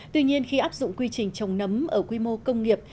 tuy nhiên khi áp dụng quy trình trồng nấm ở quy mô công nghiệp